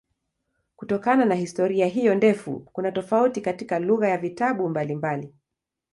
Kutokana na historia hiyo ndefu kuna tofauti katika lugha ya vitabu mbalimbali.